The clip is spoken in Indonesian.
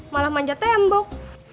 malah manjat tembok